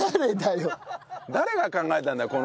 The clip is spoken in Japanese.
誰が考えたんだよ